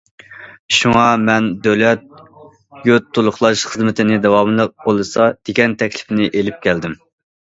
شۇڭا مەن، دۆلەت يود تولۇقلاش خىزمىتىنى داۋاملىق قوللىسا، دېگەن تەكلىپنى ئېلىپ كەلدىم.